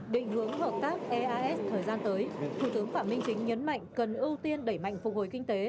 định hướng hợp tác eas thời gian tới thủ tướng phạm minh chính nhấn mạnh cần ưu tiên đẩy mạnh phục hồi kinh tế